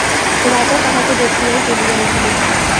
রাজা তাহাকে দেখিয়াই জ্বলিয়া উঠিলেন।